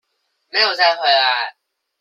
沒有再回來